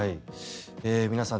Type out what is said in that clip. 皆さん